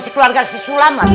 si keluarga si sulam lagi